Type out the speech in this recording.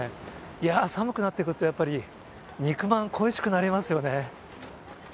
寒くなってくるとやっぱり肉まん、恋しくなりますよね。